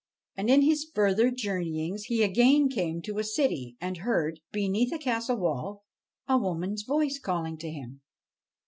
And, in his further journeying, he again came to a city, and heard, beneath a castle wall, a woman's voice calling to him.